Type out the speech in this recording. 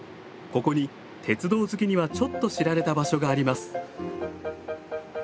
ここに鉄道好きにはちょっと知られた場所があります。